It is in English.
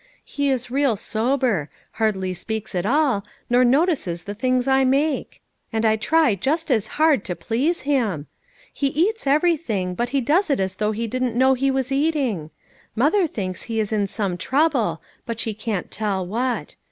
He is real sober; hardly speaks at all, nor notices the things I make ; and I try just as hard to please him! He eats everything, but he does it as though he didn't know he was eating. Mother thinks he is in some trouble, but she can't tell what.